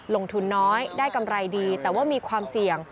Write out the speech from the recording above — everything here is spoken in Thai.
ลงทุนน้อยได้กำไรดีแต่ว่ามีความเสี่ยง